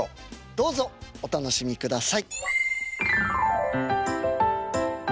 どうぞお楽しみください。